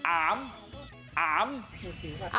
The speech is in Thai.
อา่ำ